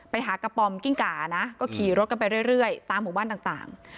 ไปหากระป๋อมกิ้งก่านะก็ขี่รถกันไปเรื่อยตามหมู่บ้านต่าง